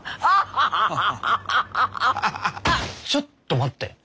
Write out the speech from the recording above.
ちょっと待って。